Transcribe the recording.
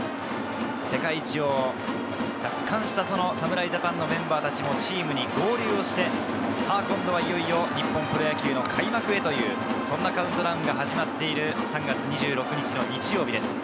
世界一を奪還した侍ジャパンのメンバーたちもチームに合流して、今度はいよいよ日本プロ野球の開幕へというカウントダウンが始まっている３月２６日の日曜日です。